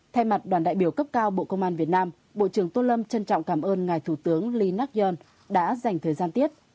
thay mặt đoàn đại biểu cấp cao bộ công an việt nam bộ trưởng tô lâm trân trọng cảm ơn ngài thủ tướng lee nak yoon đã dành thời gian tiếp